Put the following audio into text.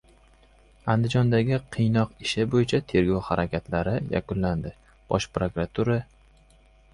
Andijondagi «qiynoq ishi» bo‘yicha tergov harakatlari yakunlandi — Bosh prokuratura